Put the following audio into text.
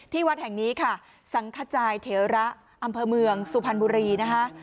วัดแห่งนี้ค่ะสังขจายเถระอำเภอเมืองสุพรรณบุรีนะคะ